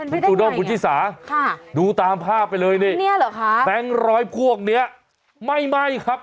เป็นไปได้ไหมเนี่ยค่ะนี่หรือครับแบงค์ร้อยพวกเนี่ยไม่ครับ